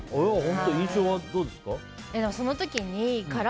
印象はどうでした？